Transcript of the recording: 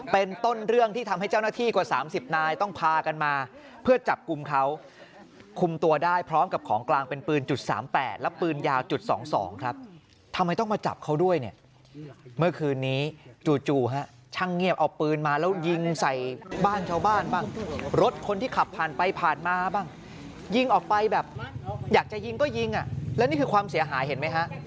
เป็นต้นเรื่องที่ทำให้เจ้าหน้าที่กว่า๓๐นายต้องพากันมาเพื่อจับกลุ่มเขาคุมตัวได้พร้อมกับของกลางเป็นปืนจุดสามแปดและปืนยาวจุด๒๒ครับทำไมต้องมาจับเขาด้วยเนี่ยเมื่อคืนนี้จู่ฮะช่างเงียบเอาปืนมาแล้วยิงใส่บ้านชาวบ้านบ้างรถคนที่ขับผ่านไปผ่านมาบ้างยิงออกไปแบบอยากจะยิงก็ยิงอ่ะแล้วนี่คือความเสียหายเห็นไหมฮะ